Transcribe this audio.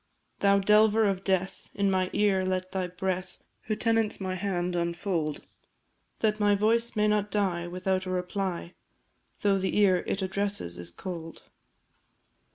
Thou delver of death, in my ear let thy breath Who tenants my hand, unfold; That my voice may not die without a reply, Though the ear it addresses is cold.